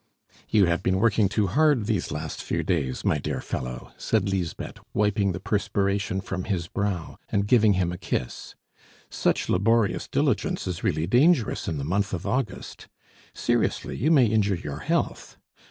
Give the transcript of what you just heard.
"You have been working too hard these last few days, my dear fellow," said Lisbeth, wiping the perspiration from his brow, and giving him a kiss. "Such laborious diligence is really dangerous in the month of August. Seriously, you may injure your health.